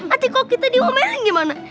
atau kalo kita diwamelin gimana